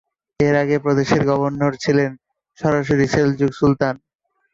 এর আগে প্রদেশের গভর্নর ছিলেন সরাসরি সেলজুক সুলতান।